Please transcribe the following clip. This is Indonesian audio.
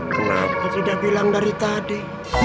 kenapa tidak bilang dari tadi